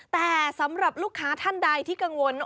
แต่สำหรับลูกค้าท่านใดที่กังวล